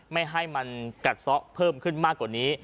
ไม่ให้มันกัดซะเพิ่มขึ้นมากกว่านี้